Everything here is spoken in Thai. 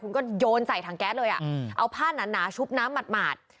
คุณก็โยนใส่ถังแก๊สเลยอ่ะเอาผ้าหนาชุบน้ำหมาด